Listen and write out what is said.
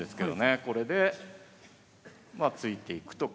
これでまあ突いていくとか。